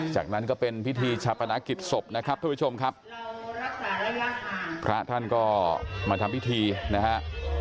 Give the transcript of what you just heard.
จากนั้นก็เป็นพิธีชาปนกิจศพนะครับทุกผู้ชมครับพระท่านก็มาทำพิธีนะฮะ